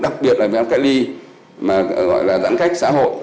đặc biệt là viện cách ly gọi là giãn cách xã hội